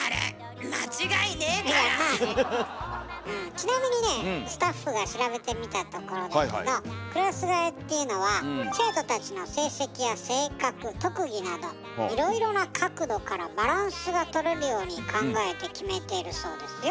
ちなみにねスタッフが調べてみたところだけどクラス替えっていうのは生徒たちの成績や性格特技などいろいろな角度からバランスがとれるように考えて決めてるそうですよ。